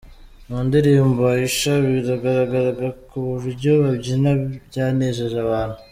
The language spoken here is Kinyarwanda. Mu ndirimbo ’Aisha’ biragaragara ko uburyo babyina byanejeje abantu.